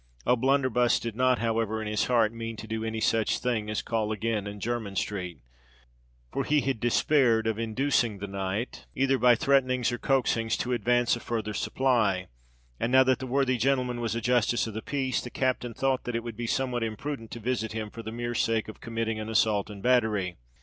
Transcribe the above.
O'Blunderbuss did not, however, in his heart mean to do any such thing as call again in Jermyn Street; for he had despaired of inducing the knight, either by threatenings or coaxings, to advance a further supply; and, now that the worthy gentleman was a Justice of the Peace, the captain thought that it would be somewhat imprudent to visit him for the mere sake of committing an assault and battery.